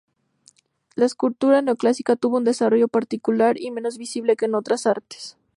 La escultura Neoclásica tuvo un desarrollo particular y menos visible que en otras artes.